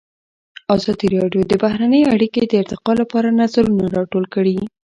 ازادي راډیو د بهرنۍ اړیکې د ارتقا لپاره نظرونه راټول کړي.